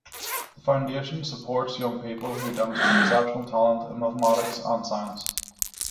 The Foundation supports young people who demonstrate exceptional talent in mathematics and science.